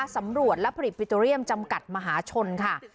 สำรวจและผลิตปิโตเรียมจำกัดมหาชนค่ะ